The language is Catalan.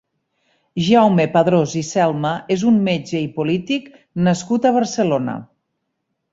Jaume Padrós i Selma és un metge i polític nascut a Barcelona.